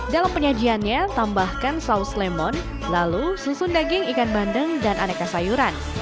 dalam penyajiannya tambahkan saus lemon lalu susun daging ikan bandeng dan aneka sayuran